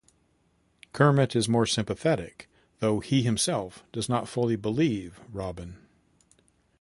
Kermit is more sympathetic, though he himself does not fully believe Robin.